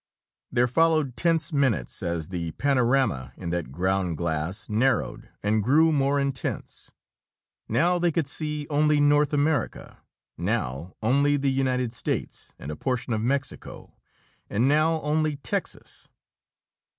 There followed tense minutes as the panorama in that ground glass narrowed and grew more intense. Now they could see only North America, now only the United States and a portion of Mexico, and now only Texas.